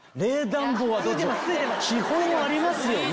基本ありますよね。